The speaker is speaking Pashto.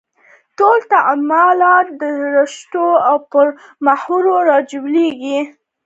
ټول تعاملات د رشوت پر محور راچولېږي.